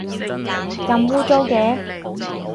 咁污糟嘅